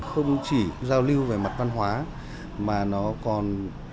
không chỉ giao lưu về mặt văn hóa mà nó còn